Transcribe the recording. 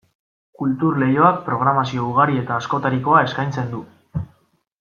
Kultur Leioak programazio ugari eta askotarikoa eskaintzen du.